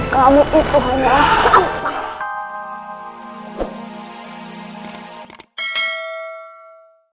kamu itu hanya seorang